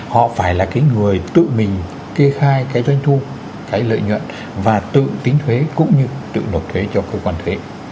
họ phải là cái người tự mình kê khai cái doanh thu cái lợi nhuận và tự tính thuế cũng như tự nộp thuế cho cơ quan thuế